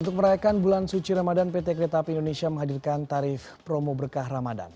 untuk merayakan bulan suci ramadan pt kereta api indonesia menghadirkan tarif promo berkah ramadan